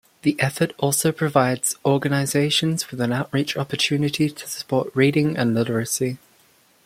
The effort also provides organizations with an outreach opportunity to support reading and literacy.